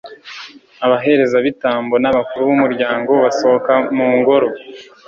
abaherezabitambo n'abakuru b'umuryango basohoka mu ngoro